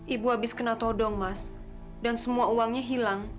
ibu habis kena todong mas dan semua uangnya hilang